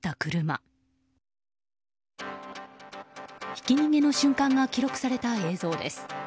ひき逃げの瞬間が記録された映像です。